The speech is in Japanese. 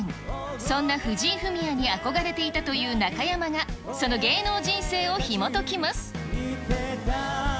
そんな藤井フミヤに憧れていたという中山が、その芸能人生をひもときます。